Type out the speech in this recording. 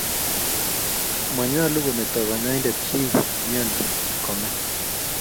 Manyolu kometo kanyaindet chi nemiani kome.